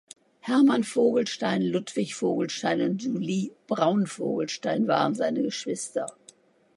Hermann Vogelstein, Ludwig Vogelstein und Julie Braun-Vogelstein waren seine Geschwister.